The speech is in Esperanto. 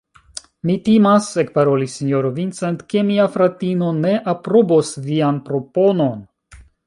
Mi timas, ekparolis sinjoro Vincent, ke mia fratino ne aprobos vian proponon.